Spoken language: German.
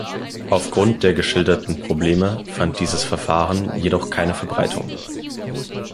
Aufgrund der geschilderten Probleme fand dieses Verfahren jedoch keine Verbreitung.